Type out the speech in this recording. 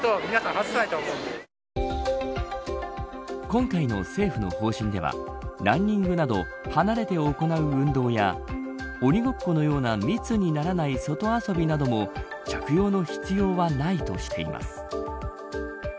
今回の政府の方針ではランニングなど離れて行う運動や鬼ごっこのような密にならない外遊びなども着用の必要はないとしています。